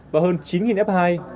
và hơn chín f hai